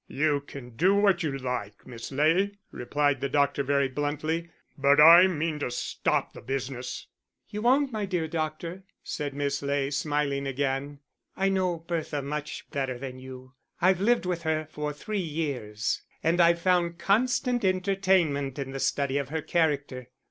"You can do what you like, Miss Ley," replied the doctor very bluntly, "but I mean to stop the business." "You won't, my dear doctor," said Miss Ley, smiling again. "I know Bertha so much better than you. I've lived with her for three years, and I've found constant entertainment in the study of her character....